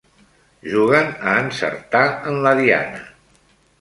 Juguen a encertar en la diana.